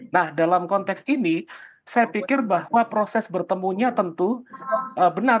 nah dalam konteks ini saya pikir bahwa proses bertemunya tentu benar